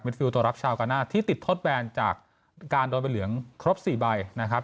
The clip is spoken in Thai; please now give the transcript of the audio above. ฟิลตัวรักชาวกาน่าที่ติดทดแบนจากการโดนใบเหลืองครบ๔ใบนะครับ